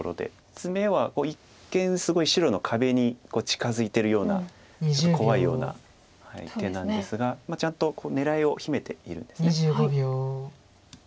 ツメは一見すごい白の壁に近づいてるような怖いような一見なんですがちゃんと狙いを秘めているんです。